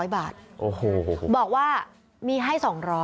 ๒๐๐บาทบอกว่ามีให้๒๐๐